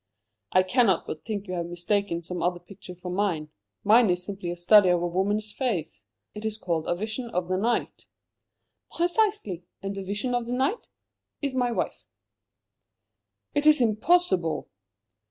"I cannot but think you have mistaken some other picture for mine. Mine is a simple study of a woman's face. It is called 'A Vision of the Night.'" "Precisely. And 'A Vision of the Night' is my wife." "It is impossible!"